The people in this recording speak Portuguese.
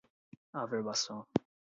averbação